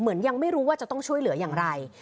ยังไม่รู้ว่าจะต้องช่วยเหลืออย่างไร